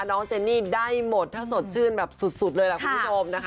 เจนี่ได้หมดถ้าสดชื่นแบบสุดเลยล่ะคุณผู้ชมนะคะ